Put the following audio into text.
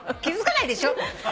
気付かないでしょ？